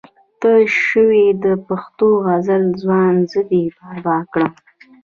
ته شوې د پښتو غزله ځوان زه دې بابا کړم